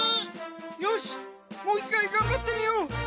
よしもういっかいがんばってみよう。